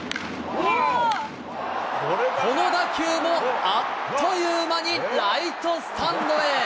この打球もあっという間にライトスタンドへ！